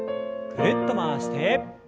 ぐるっと回して。